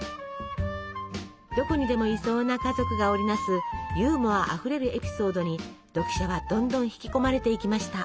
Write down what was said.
どこにでもいそうな家族が織り成すユーモアあふれるエピソードに読者はどんどん引き込まれていきました。